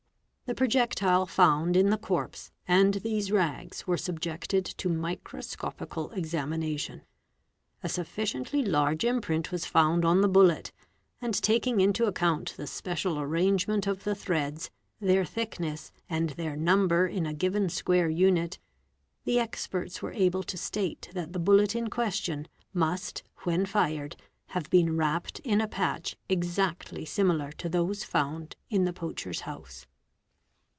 The projectile found in the corpse and these rags were subjected to microscopical examination ; a suffi ciently large imprint was found on the bullet, and taking into account the special arrangement of the threads, their thickness, and their number in a _ given square unit, the experts were able to state that the bullet in question must when fired have been wrapped in a patch exactly similar to those found in the poacher's house.